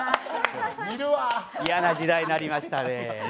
嫌な時代になりましたね。